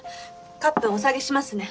カップお下げしますね。